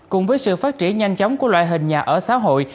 cùng với sự phát triển nhanh chóng của loại hình nhà ở xã hội